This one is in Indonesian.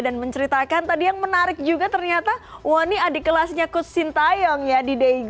dan menceritakan tadi yang menarik juga ternyata wonny adik kelasnya kutsin tayong ya di daegu